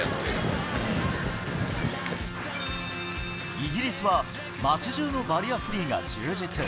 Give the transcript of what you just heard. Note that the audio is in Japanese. イギリスは街中のバリアフリーが充実。